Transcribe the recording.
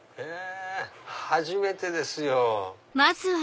初めてですよ。